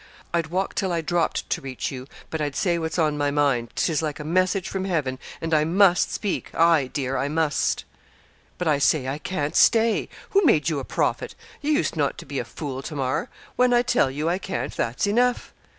I'd walk till I dropped to reach you but I'd say what's on my mind, 'tis like a message from heaven and I must speak aye, dear, I must.' 'But I say I can't stay. Who made you a prophet? You used not to be a fool, Tamar; when I tell you I can't, that's enough.'